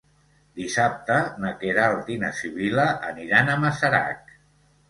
Dissabte na Queralt i na Sibil·la aniran a Masarac.